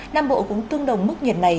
nam bộ cũng tương đồng mức nhiệt này